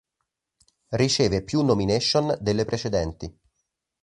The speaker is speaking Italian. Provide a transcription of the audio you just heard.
Riceve più nomination delle precedenti.